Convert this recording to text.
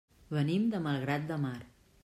Venim de Malgrat de Mar.